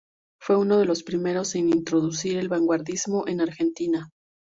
Fue uno de los primeros en introducir el vanguardismo en Argentina.